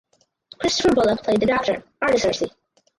Christopher Bullock played ‘the doctor’ (Artaserse).